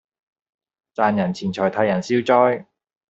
賺人錢財替人消災